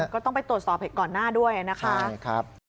ก็ต้องไปตรวจสอบเหตุก่อนหน้าด้วยนะคะ